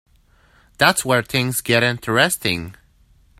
That's where things get interesting.